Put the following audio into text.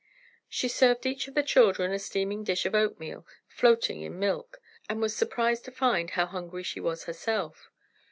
She served each of the children a steaming dish of oatmeal, floating in milk, and was surprised to find how hungry she was herself.